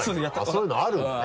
そういうのあるのね？